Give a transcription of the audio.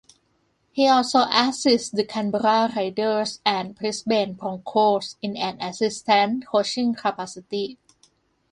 He also assisted the Canberra Raiders and Brisbane Broncos in an assistant coaching capacity.